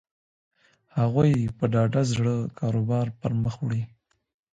هغوی په ډاډه زړه کاروبار پر مخ وړي.